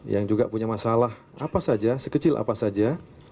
yang juga punya masalah apa saja sekecil apa saja